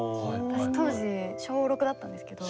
私当時小６だったんですけど。